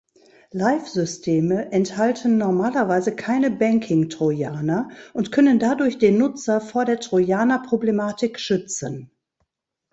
Live-Systeme enthalten normalerweise keine Banking-Trojaner und können dadurch den Nutzer vor der Trojaner-Problematik schützen.